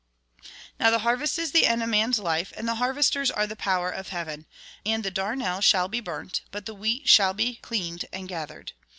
Now, the harvest is the end of man's life, and the harvesters are the power of heaven. And the darnel shall be burnt, but the wheat shall be cleaned and gathered.